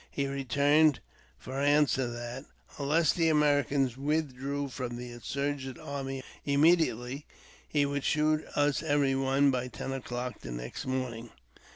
He returned for answer that, unless the Americans withdrew from the insur gent army immediately, he would shoot us every one by ten o'clock the next morning.